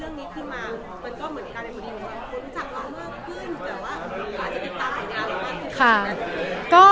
แต่ว่าอาจจะเป็นต่างหายงานหรือเปล่า